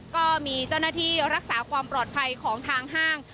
ก็มีเจ้าหน้าที่รักษาความปลอดภัยของทางห้าง